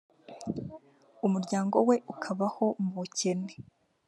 umuryango we ukabaho mu bukene